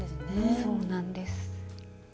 そうなんです。